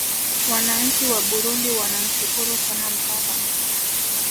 wananchi wa burundi wanamshukuru sana mkapa